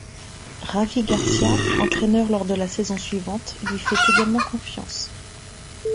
Javi Gracia, entraîneur lors de la saison suivante, lui fait également confiance.